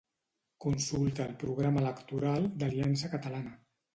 Consulta el Programa Electoral d'Aliança Catalana.